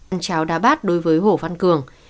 ăn cháo đá bát đối với hồ văn cường